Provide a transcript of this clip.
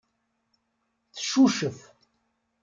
Teccucef.